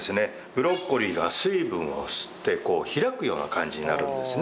ブロッコリーが水分を吸って開くような感じになるんですね。